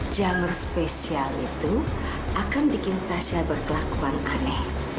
jamur spesial itu akan bikin tasya berkelakuan aneh